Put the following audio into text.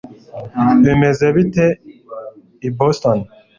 bimeze bite i boston